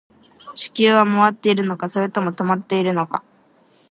地球は回っているのか、それとも止まっているのか